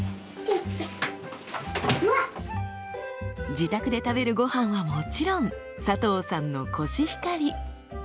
自宅で食べるごはんはもちろん佐藤さんのコシヒカリ。